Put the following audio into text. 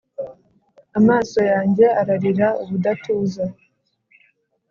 Amaso yanjye ararira ubudatuza,